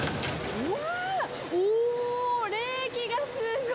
うわ！